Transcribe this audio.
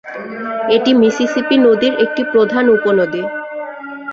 এটি মিসিসিপি নদীর একটি প্রধান উপনদী।